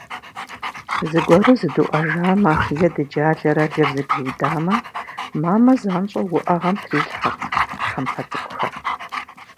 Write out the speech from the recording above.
Зыгуэру зыдуӏэжамэ е дыджалэрэ лыр зэгуиудамэ, мамэ занщӏэу уӏэгъэм тхутрилъхьэрт тхьэмпэ цӏыкӏухэр.